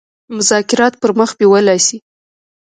مذاکرات پر مخ بېولای سي.